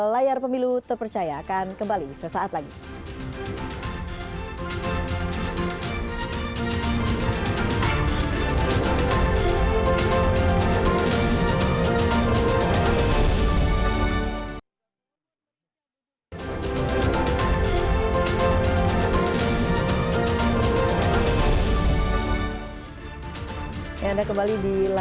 layar pemilu terpercaya akan kembali sesaat lagi